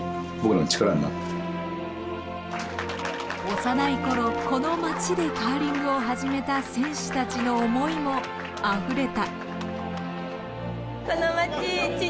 幼い頃この町でカーリングを始めた選手たちの思いもあふれた。